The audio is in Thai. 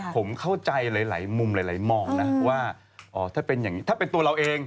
ผมเข้าใจหลายมุมหลายมองนะว่า